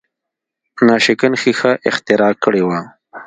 ناشکن ښیښه اختراع کړې وه.